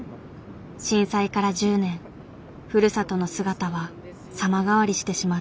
震災から１０年ふるさとの姿は様変わりしてしまったそう。